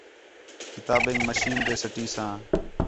کتابیک مشین ݙے سَٹی ساں